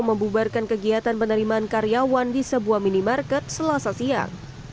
membubarkan kegiatan penerimaan karyawan di sebuah minimarket selasa siang